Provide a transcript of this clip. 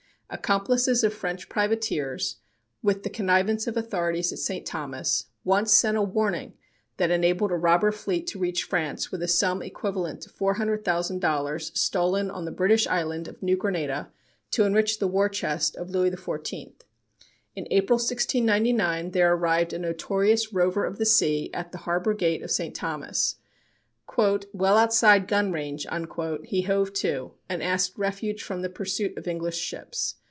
Accomplices of French privateers, with the connivance of authorities at St. Thomas, once sent a warning that enabled a robber fleet to reach France with a sum equivalent to $400,000 stolen on the British island of New Granada to enrich the war chest of Louis XIV. In April, 1699, there arrived a notorious "rover of the sea" at the harbor gate of St. Thomas. "Well outside gun range," he hove to, and asked refuge from the pursuit of English ships.